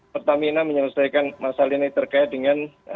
pertamina menyelesaikan masalah ini terkait dengan